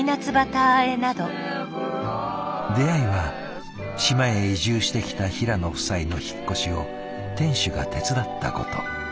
出会いは島へ移住してきた平野夫妻の引っ越しを店主が手伝ったこと。